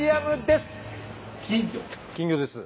金魚です。